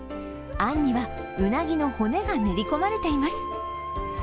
あんには、うなぎの骨が練り込まれています。